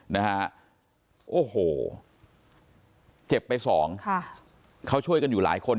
นะฮะโอ้โหเจ็บไปสองค่ะเขาช่วยกันอยู่หลายคน